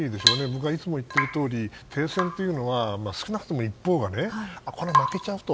僕はいつも言っているとおり停戦というのは少なくとも一方がこれ負けちゃうと。